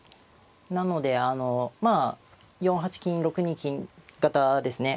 なのであのまあ４八金６二金型ですね。